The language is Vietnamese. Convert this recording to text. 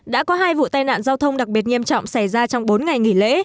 đã có hai vụ tai nạn giao thông đặc biệt nghiêm trọng xảy ra trong bốn ngày nghỉ lễ